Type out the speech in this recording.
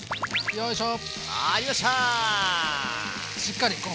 よいしょ。